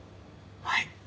はい。